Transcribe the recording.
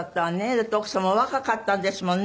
だって奥様お若かったんですもんね